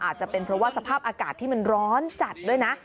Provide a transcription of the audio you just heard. อาจจะเป็นเพราะว่าสภาพอากาศที่มันร้อนจัดด้วยนะ